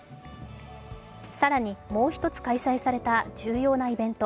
更に、もう一つ開催された重要なイベント。